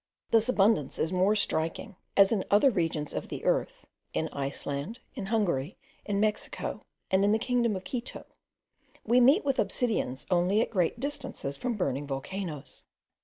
This abundance is the more striking, as in other regions of the earth, in Iceland, in Hungary, in Mexico, and in the kingdom of Quito, we meet with obsidians only at great distances from burning volcanoes.